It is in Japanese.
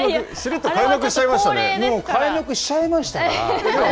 もう開幕しちゃいましたから。